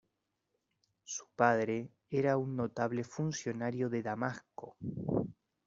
Su padre era un notable funcionario de Damasco.